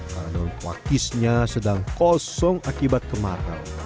karena daun pakisnya sedang kosong akibat kemarau